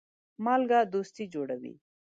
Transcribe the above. مالګه دوستي جوړوي.